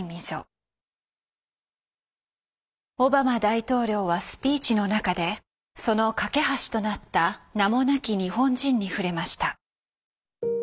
オバマ大統領はスピーチの中でその架け橋となった名もなき日本人に触れました。